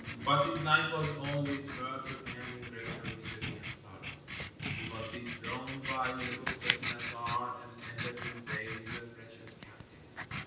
But his life was only spared to end in greater misery and sorrow. He was dethroned by Nebuchadnezzar and ended his days a wretched captive.